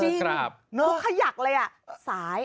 จริงคือขยักเลย